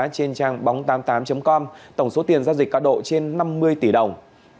trên trang bóng tám mươi tám com tổng số tiền giao dịch cá độ trên năm mươi tỷ đồng